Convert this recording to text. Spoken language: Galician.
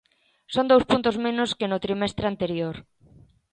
Son dous puntos menos que no trimestre anterior.